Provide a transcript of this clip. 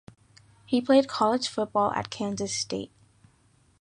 He played college football at Kansas State.